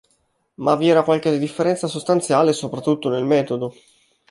Ma vi era qualche differenza sostanziale soprattutto nel metodo.